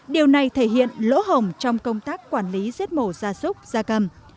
điều này thể hiện lỗ hồng trong công tác quản lý giết mổ da súc da cầm